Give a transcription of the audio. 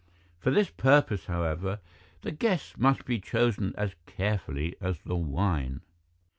For this purpose, however, the guests must be chosen as carefully as the wine.